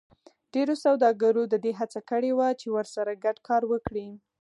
ډېرو سوداګرو د دې هڅه کړې وه چې ورسره ګډ کار وکړي